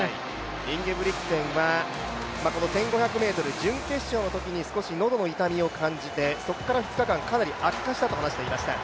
インゲブリクセンは１５００ｍ準決勝のときに少し喉の痛みを感じて、そこから２日間、かなり悪化したと話していました。